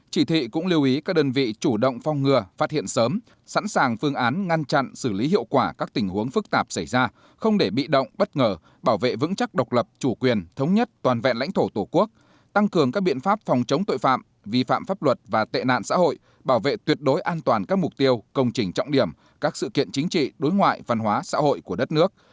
chỉ thị cũng lưu ý các đơn vị chủ động phong ngừa phát hiện sớm sẵn sàng phương án ngăn chặn xử lý hiệu quả các tình huống phức tạp xảy ra không để bị động bất ngờ bảo vệ vững chắc độc lập chủ quyền thống nhất toàn vẹn lãnh thổ tổ quốc tăng cường các biện pháp phòng chống tội phạm vi phạm pháp luật và tệ nạn xã hội bảo vệ tuyệt đối an toàn các mục tiêu công trình trọng điểm các sự kiện chính trị đối ngoại văn hóa xã hội của đất nước